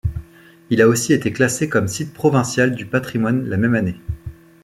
Il a aussi été classé comme site provincial du patrimoine la même année.